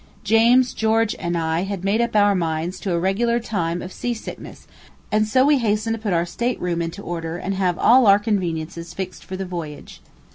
James, George, and I had made up our minds to a regular time of sea sickness, and so we hastened to put our state room into order and have all our conveniences fixed for the voyage.